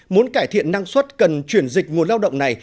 muốn cải thiện năng suất cần chuyển dịch nguồn lao động này